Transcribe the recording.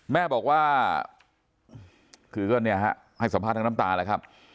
แม่บอกว่าคือก็เนี่ยฮะให้สัมภาษณ์ทั้งน้ำตาแล้วครับ